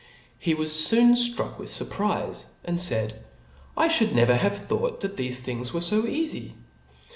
He was fopn ftruck with furprize, and faid, / Jhould never have thought that thefe. things were fo eafy.